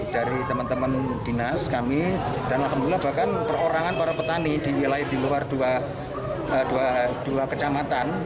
dari teman teman dinas kami dan alhamdulillah bahkan perorangan para petani di wilayah di luar dua kecamatan